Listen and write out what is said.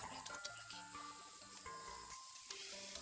nanti baru lihat untuk lagi